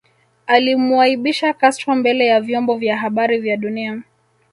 Alimuaibisha Castro mbele ya vyombo vya habari vya dunia